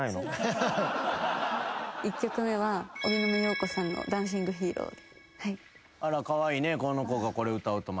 １曲目は荻野目洋子さんの『ダンシング・ヒーロー』で。